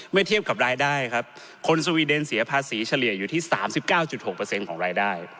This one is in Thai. เทียบกับรายได้ครับคนสวีเดนเสียภาษีเฉลี่ยอยู่ที่๓๙๖ของรายได้